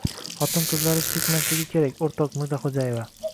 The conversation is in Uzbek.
xotin-qizlari chekmasligi kerak, o‘rtoq Mirzaxo‘jaeva.